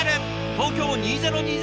東京２０２０